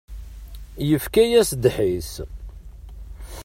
Yefka-yas ddḥis.